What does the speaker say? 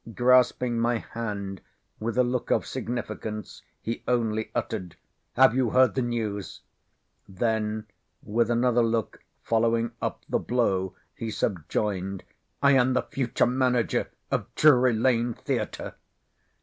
Grasping my hand with a look of significance, he only uttered,—"Have you heard the news?"—then with another look following up the blow, he subjoined, "I am the future Manager of Drury Lane Theatre."